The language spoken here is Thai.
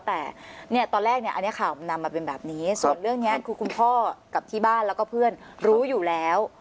แต่เนี่ยตอนแรกเนี่ยอันนี้ข่าวมันนำมาเป็นแบบนี้ส่วนเรื่องนี้คือคุณพ่อกับที่บ้านแล้วก็เพื่อนรู้อยู่แล้ว